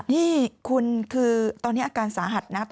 นี่คุณคือตอนนี้อาการสาหัสนะครับ